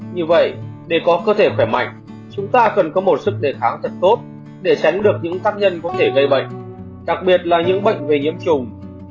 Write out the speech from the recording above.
như vậy để có cơ thể khỏe mạnh chúng ta cần có một sức đề kháng thật tốt để tránh được những tác nhân có thể gây bệnh đặc biệt là những bệnh về nhiễm trùng